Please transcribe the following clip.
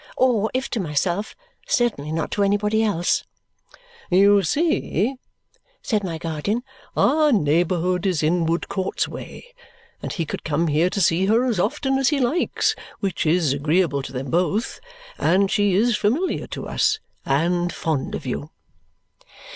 Or, if to myself, certainly not to anybody else. "You see," said my guardian, "our neighbourhood is in Woodcourt's way, and he can come here to see her as often as he likes, which is agreeable to them both; and she is familiar to us and fond of you."